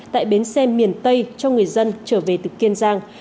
tại bến xe miền tây cho người dân trở về từ kiên giang